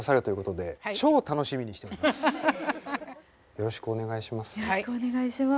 よろしくお願いします。